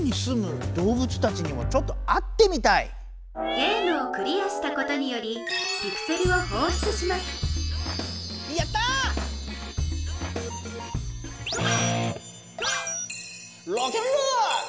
ゲームをクリアしたことによりピクセルを放出しますやった！ロケンロール！